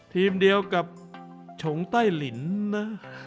ทีมเดียวกับชงใต้ลินนะ